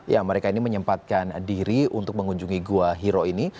ya mereka ini menyempatkan diri untuk mengunjungi gua hiro ini